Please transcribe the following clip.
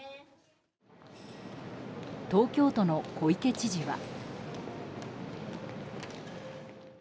東京都の小池知事は。